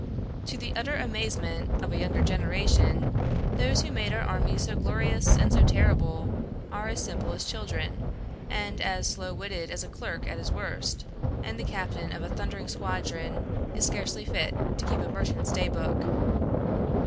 To the utter amazement of a younger generation, those who made our armies so glorious and so terrible are as simple as children, and as slow witted as a clerk at his worst, and the captain of a thundering squadron is scarcely fit to keep a merchant's day book.